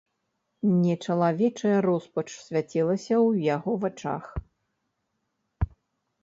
Нечалавечая роспач свяцілася ў яго вачах.